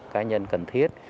cả nhân cần thiết